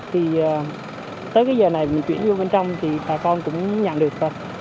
thì tới cái giờ này mình chuyển vô bên trong thì bà con cũng nhận được thôi